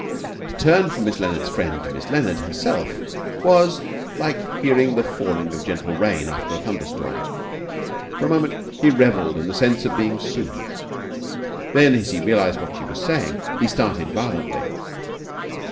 To turn from Miss Leonard's friend to Miss Leonard herself was like hearing the falling of gentle rain after a thunderstorm. For a moment he revelled in the sense of being soothed; then, as he realized what she was saying, he started violently.